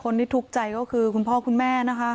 ทุกข์ใจก็คือคุณพ่อคุณแม่นะคะ